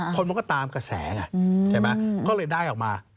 คนมองก็ตามกับแสงอ่ะก็เลยได้ออกมา